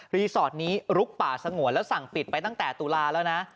สอดนี้ลุกป่าสงวนแล้วสั่งปิดไปตั้งแต่ตุลาแล้วนะ